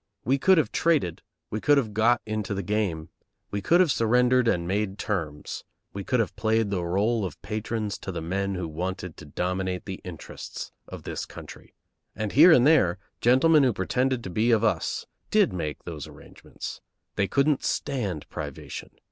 We could have traded; we could have got into the game; we could have surrendered and made terms; we could have played the rôle of patrons to the men who wanted to dominate the interests of the country, and here and there gentlemen who pretended to be of us did make those arrangements. They couldn't stand privation.